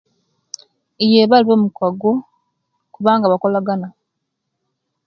Yee balibamikago kubanga bakolagana